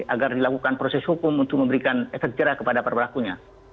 agar dilakukan proses hukum untuk memberikan efek jerah kepada para pelakunya